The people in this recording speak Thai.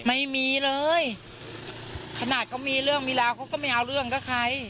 ไม่มีเลยขนาดเขามีเรื่องมีราวเขาก็ไม่เอาเรื่องกับใคร